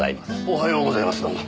おはようございますどうも。